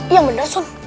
iya bener son